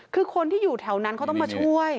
คือคนที่อยู่แถวนั้นเขาต้องมาช่วย